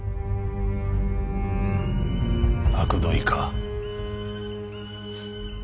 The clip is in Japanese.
あくどいか。